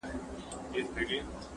د طاقت له تنستې یې زړه اودلی-